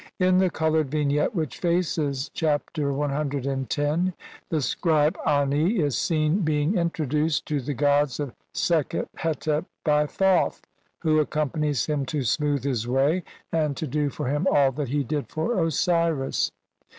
In the coloured Vignette which faces Chapter CX (see p. i 70) the scribe Ani is seen being introduced to the gods of Sekhet hetep by Thoth, who accompanies him to smooth his way and to do for him all that he did for Osiris.